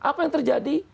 apa yang terjadi